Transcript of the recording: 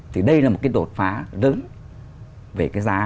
thì đây là một cái đột phá lớn về cái giá